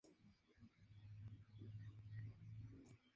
Estos poros se denominan poros de Kohn.